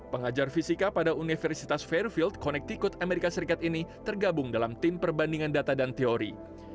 pengajar fisika pada universitas fairfield connecticut amerika serikat ini tergabung dalam tim perbandingan data dan teori